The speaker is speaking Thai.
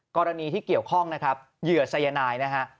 กรณีที่เกี่ยวข้องนะครับเหยื่อสายนายนะฮะ